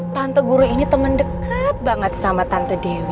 tante guru ini temen deket banget sama tante dewi